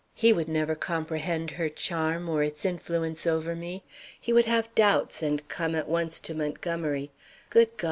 He would never comprehend her charm or its influence over me. He would have doubts and come at once to Montgomery. Good God!